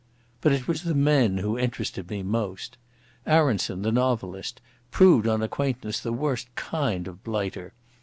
But it was the men who interested me most. Aronson, the novelist, proved on acquaintance the worst kind of blighter.